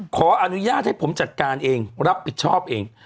ขออนุญาตให้ผมจัดการเองรับผิดชอบเอง